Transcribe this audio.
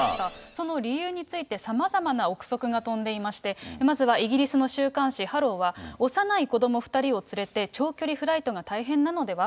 その理由について、臆測が飛んでいまして、まずはイギリスの週刊誌、ハロー！は、幼い子ども２人を連れて、長距離フライトが大変なのでは？